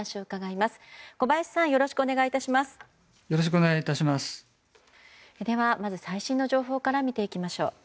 まず最新の情報から見ていきましょう。